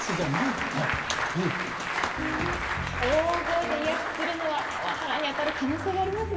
大声で威圧するのはパワハラに当たる可能性がありますね。